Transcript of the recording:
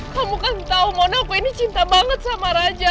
kamu kan tahu mona aku ini cinta banget sama raja